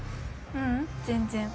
ううん全然。